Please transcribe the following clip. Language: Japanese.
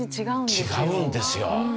違うんですよ。